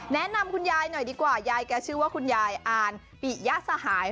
แนะนำคุณยายหน่อยดีกว่ายายแกชื่อว่าคุณยายอ่านปิยะสหาย